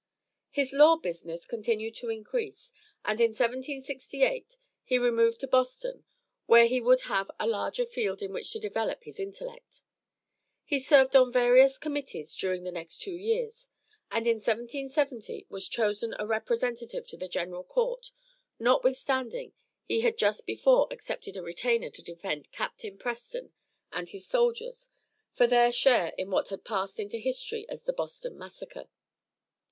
His law business continued to increase and in 1768 he removed to Boston where he would have a larger field in which to develop his intellect. He served on various committees during the next two years, and in 1770 was chosen a Representative to the general Court, notwithstanding he had just before accepted a retainer to defend Captain Preston and his soldiers for their share in what had passed into history as the Boston massacre.